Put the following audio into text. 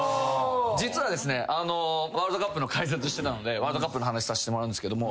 実はですねワールドカップの解説してたのでワールドカップの話させてもらうんですけども。